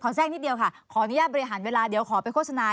แทรกนิดเดียวค่ะขออนุญาตบริหารเวลาเดี๋ยวขอไปโฆษณา